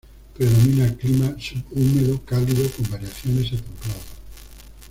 Predomina el clima subhúmedo cálido con variaciones a templado.